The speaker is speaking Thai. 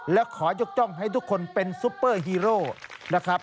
และขอยกจ้องให้ทุกคนเป็นซุปเปอร์ฮีโร่นะครับ